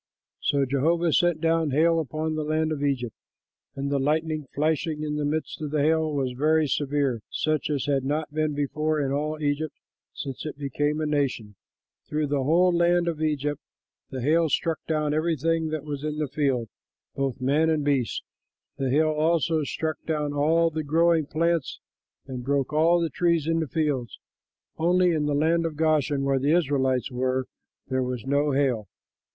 '" So Jehovah sent down hail upon the land of Egypt, and the lightning flashing in the midst of the hail was very severe, such as had not been before in all Egypt since it became a nation. Through the whole land of Egypt the hail struck down everything that was in the field, both man and beast. The hail also struck down all the growing plants and broke all the trees in the fields. Only in the land of Goshen, where the Israelites were, there was no hail.